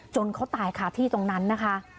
เขาตายค่ะที่ตรงนั้นนะคะ